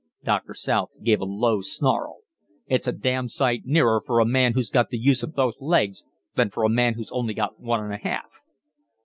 Doctor South gave a low snarl. "It's a damned sight nearer for a man who's got the use of both legs than for a man who's only got one and a half."